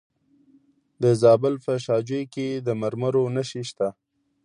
د زابل په شاجوی کې د مرمرو نښې شته.